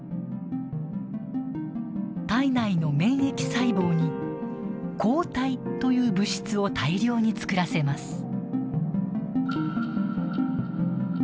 体内の免疫細胞に抗体という物質を大量に作らせます。